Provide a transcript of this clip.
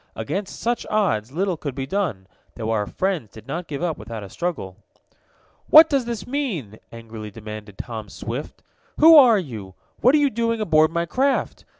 Against such odds little could be done, though our friends did not give up without a struggle. "What does this mean?" angrily demanded Tom Swift. "Who are you? What are you doing aboard my craft?